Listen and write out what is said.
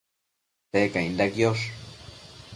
Secainda quiosh